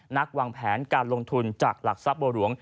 วางแผนการลงทุนจากหลักทรัพย์บัวหลวง